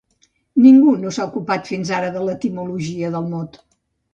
Ningú no s'ha ocupat fins ara de l'etimologia del mot.